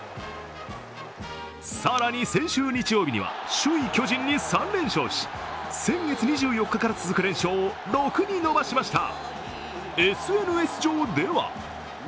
更に先週日曜日には首位・巨人に３連勝し、先月２４日から続く連勝を６に伸ばしました。